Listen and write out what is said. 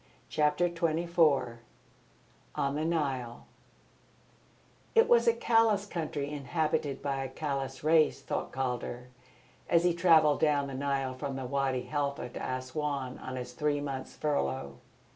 CHAPTER XXIV ON THE NILE It was a callous country inhabited by a callous race, thought Calder, as he travelled down the Nile from Wadi Halfa to Assouan on his three months' furlough.